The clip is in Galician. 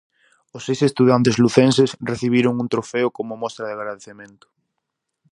Os seis estudantes lucenses recibiron un trofeo como mostra de agradecemento.